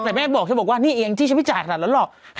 อ๋อแต่แม่ก็บอกเฉยบอกว่านี่เองเองที่ชั้นไม่จ่ายกน่ะหรอก